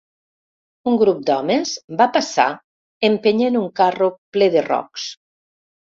Un grup d'homes va passar empenyent un carro ple de rocs.